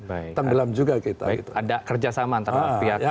ada kerjasama antara pihak bogor dengan jakarta